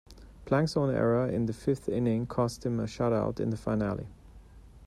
Plank's own error in the fifth inning cost him a shutout in the finale.